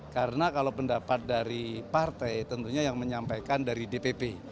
karena kalau pendapat dari partai tentunya yang menyampaikan dari dpp